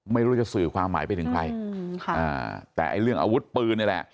ไม่รู้จะสื่อความหมายไปถึงใครแต่ไอ้เรื่องอาวุธปืนนี่แหละ